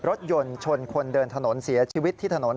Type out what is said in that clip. รถยนต์ชนคนเดินถนนเสียชีวิตที่ถนน